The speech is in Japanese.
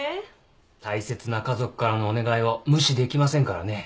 大切な家族からのお願いを無視できませんからね。